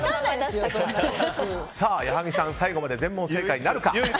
矢作さん、最後まで全問正解なるか。